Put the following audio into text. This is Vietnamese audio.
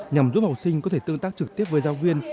nhằm giúp học sinh có thể tương tác trực tiếp với giáo viên